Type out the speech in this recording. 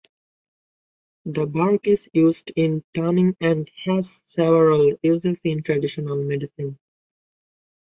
The bark is used in tanning and has several uses in traditional medicine.